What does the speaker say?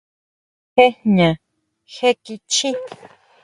Jé jña jé kichjí.